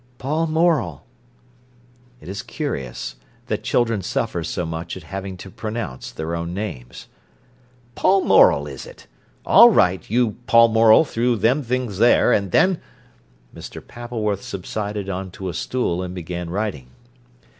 "Paul Morel." It is curious that children suffer so much at having to pronounce their own names. "Paul Morel, is it? All right, you Paul Morel through them things there, and then—" Mr. Pappleworth subsided on to a stool, and began writing.